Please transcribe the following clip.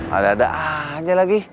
ada ada aja lagi